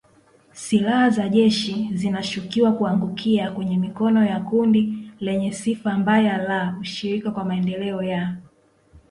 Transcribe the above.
Silaha za jeshi zinashukiwa kuangukia kwenye mikono ya kundi lenye sifa mbaya la Ushirika kwa Maendeleo ya Kongo,